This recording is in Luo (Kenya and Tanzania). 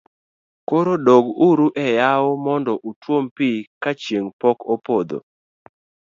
koro dog uru e yawo mondo utuom pi ka chieng' pok opodho